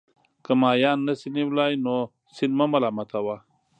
که ماهیان نه شئ نیولای نو سیند مه ملامتوه.